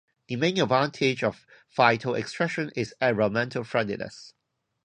The main advantage of phytoextraction is environmental friendliness.